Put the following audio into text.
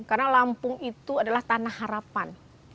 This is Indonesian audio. karena lampung itu adalah tanah harapan